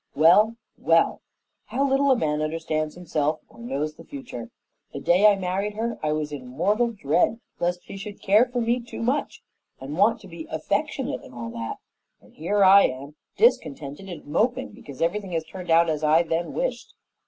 Well, well; how little a man understands himself or knows the future! The day I married her I was in mortal dread lest she should care for me too much and want to be affectionate and all that; and here I am, discontented and moping because everything has turned out as I then wished.